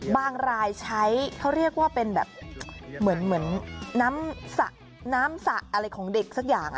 บางรายใช้เขาเรียกว่าเป็นแบบเหมือนน้ำสระอะไรของเด็กสักอย่าง